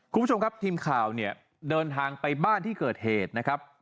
คุณผู้ชมครับทีมข่าวเนี่ยเดินทางไปบ้านที่เกิดเหตุนะครับ